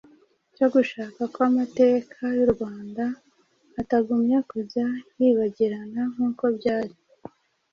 cyo gushaka ko amateka y’u Rwanda atagumya kujya yibagirana nk’uko byari